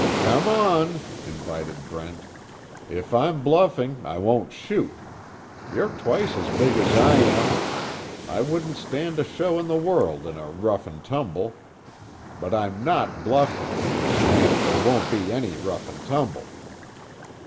"Come on," invited Brent, "If I'm bluffing I won't shoot. You're twice as big as I am. I wouldn't stand a show in the world in a rough and tumble. But, I'm not bluffing and there won't be any rough and tumble."